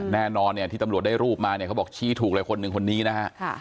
แน่นอนที่ตำรวจได้รูปมาเขาบอกชี้ถูกเลยคนหนึ่งคนนี้นะ